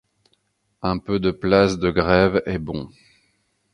Un peu de place de Grève est bon.